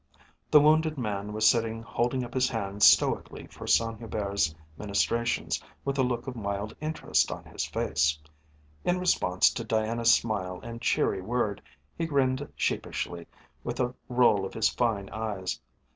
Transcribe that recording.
The wounded man was sitting holding up his hand stoically for Saint Hubert's ministrations with a look of mild interest on his face. In response to Diana's smile and cheery word he grinned sheepishly with a roll of his fine eyes.